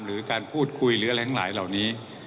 หรือการพูดคุยหรืออะไรทั้งหลายเหล่านี้